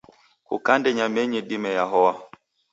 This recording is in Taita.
Kukande nyamenyi dime yahoa.